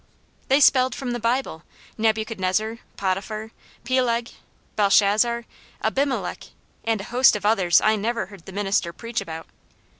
They spelled from the Bible, Nebuchadnezzar, Potiphar, Peleg, Belshazzar, Abimelech, and a host of others I never heard the minister preach about.